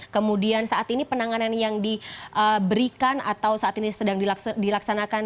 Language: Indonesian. kemudian saat ini penanganan yang diberikan atau saat ini sedang dilaksanakan